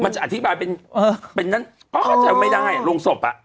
มันจะอธิบายเป็นเออเป็นนั้นก็อาจจะไม่ได้อ่ะโรงศพอ่ะ